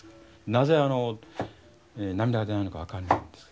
なぜ涙が出ないのか分からないんです。